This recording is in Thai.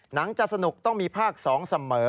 หนังจัดสนุกต้องมีภาคสองเสมอ